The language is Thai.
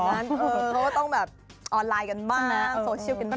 เขาก็ต้องแบบออนไลน์กันบ้างนะโซเชียลกันบ้าง